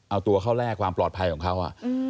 เอาตัวเข้าแลกความปลอดภัยของเขา